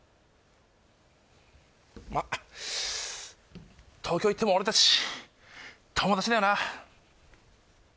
まあ東京行っても俺達友達だよな